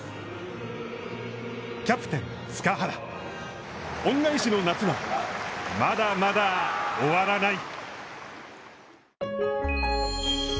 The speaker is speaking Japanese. キャプテン塚原恩返しの夏は、まだまだ終わらない。